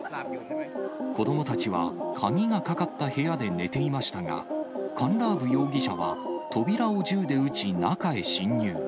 子どもたちは、鍵がかかった部屋で寝ていましたが、カンラーブ容疑者は扉を銃で撃ち、中へ侵入。